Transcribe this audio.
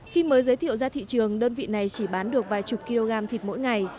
khi mới giới thiệu ra thị trường đơn vị này chỉ bán được vài chục kg thịt mỗi ngày